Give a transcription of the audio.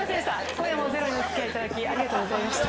今夜もｚｅｒｏにおつきあいいただき、ありがとうございました。